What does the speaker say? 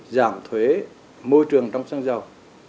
giảm thuế môi trường trong sân giàu